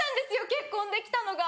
結婚できたのが。